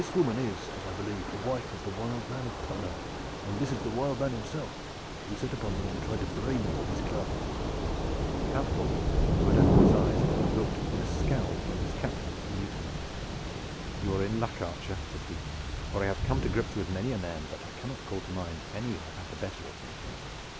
This woman is, as I believe, the wife of the 'Wild Man of Puttenham,' and this is the 'Wild Man' himself who set upon me and tried to brain me with his club." The outlaw, who had opened his eyes, looked with a scowl from his captor to the new comer. "You are in luck, archer," said he, "for I have come to grips with many a man, but I cannot call to mind any who have had the better of me."